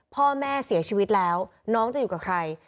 พ่อแม่เสียชีวิตแล้วน้องจะอยู่กับใคร